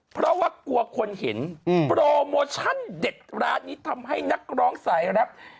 เพราะว่ากลัวกรคนเห็นโปรโมชั่นเด็ดที่ทำให้นักร้องสายฮิปนักร้องสายแร็ป